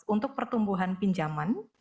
untuk pertumbuhan pinjaman